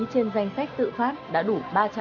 trên danh sách tự phát đã đủ ba trăm sáu mươi